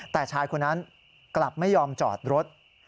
แต่ชายคนนั้นกลับไม่ยอมจอดรถ